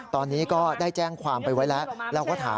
ตอนนี้ก็ได้แจ้งความไปไว้แล้ว